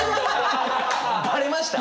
バレました？